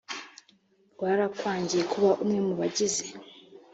rwarakwangiye kuba umwe mu bagize